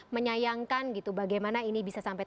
menyayangkan gitu bagaimana ini bisa sampai